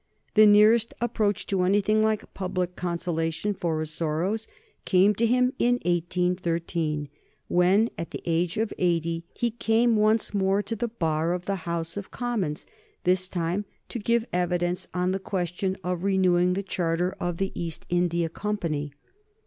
The nearest approach to anything like public consolation for his sorrows came to him in 1813, when, at the age of eighty, he came once more to the Bar of the House of Commons, this time to give evidence on the question of renewing the Charter of the East India Company.